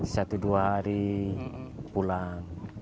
satu dua hari pulang